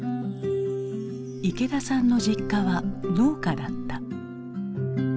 池田さんの実家は農家だった。